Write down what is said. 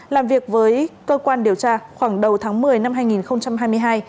làm việc với cơ quan điều tra khoảng đầu tháng một mươi năm hai nghìn hai mươi hai